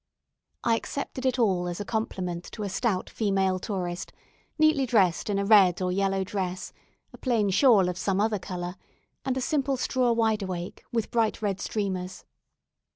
I accepted it all as a compliment to a stout female tourist, neatly dressed in a red or yellow dress, a plain shawl of some other colour, and a simple straw wide awake, with bright red streamers.